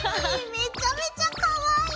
めちゃめちゃかわいい！